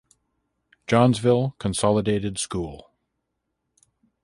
Johnsville Consolidated School.